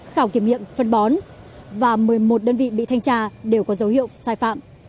khảo kiểm nghiệm phân bón và một mươi một đơn vị bị thanh tra đều có dấu hiệu sai phạm